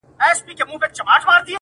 • یو گوزار يې ورته ورکړ ناگهانه,